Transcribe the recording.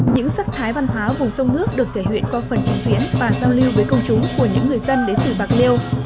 những sắc thái văn hóa vùng sông nước được thể hiện qua phần trình diễn và giao lưu với công chúng của những người dân đến từ bạc liêu